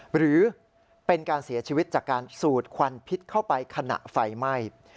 หรือเป็นการเสียชีวิตจากการสูดควันพิษเข้าไปขณะไฟไหม้